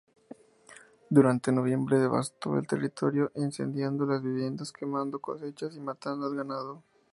Durante noviembre devastó el territorio, incendiando las viviendas, quemando cosechas y matando al ganado.